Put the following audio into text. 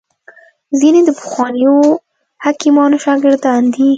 ځیني د پخوانیو حکیمانو شاګردان دي